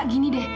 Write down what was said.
kak gini deh